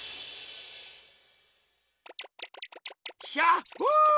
ひゃっほ！